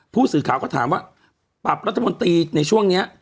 ผู้สื่อข่าวก็ถามว่าปรับรัฐมนตรีในช่วงนี้